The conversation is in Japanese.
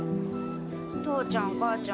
父ちゃん母ちゃん